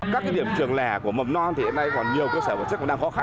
các điểm trường lẻ của mầm non thì hiện nay còn nhiều cơ sở vật chất còn đang khó khăn